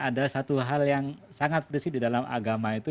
ada satu hal yang sangat prinsip di dalam agama itu